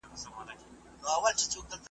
هغه ډېر ژر درک کړه